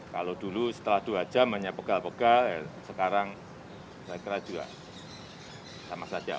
kalau dulu setelah dua jam hanya pegal pegal sekarang saya kira juga sama saja